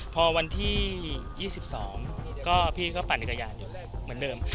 พอวันที่๒๒ก็พี่ก็ปั่นจักรยานยนต์เหมือนเดิม